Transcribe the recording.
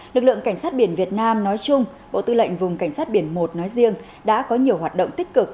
lực lượng cảnh sát biển việt nam nói chung bộ tư lệnh vùng cảnh sát biển một nói riêng đã có nhiều hoạt động tích cực